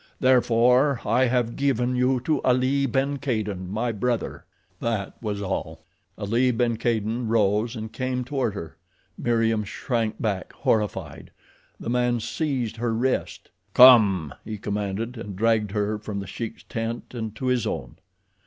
Therefore I have given you to Ali ben Kadin, my brother." That was all. Ali ben Kadin rose and came toward her. Meriem shrank back, horrified. The man seized her wrist. "Come!" he commanded, and dragged her from The Sheik's tent and to his own.